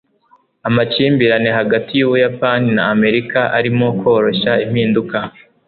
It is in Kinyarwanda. amakimbirane hagati yubuyapani na amerika arimo koroshya impinduka